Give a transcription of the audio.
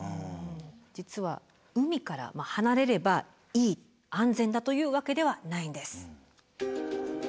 実は海から離れればいい安全だというわけではないんです。